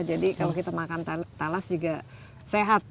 jadi kalau kita makan tales juga sehat